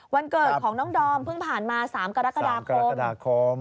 วันเกิดของน้องดอมเพิ่งผ่านมา๓กรกฎาคม